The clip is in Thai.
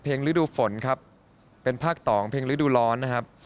ฤดูฝนครับเป็นภาคสองเพลงฤดูร้อนนะครับ